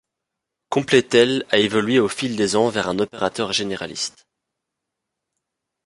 Completel a évolué au fil des ans vers un opérateur généraliste.